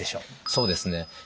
そうですね。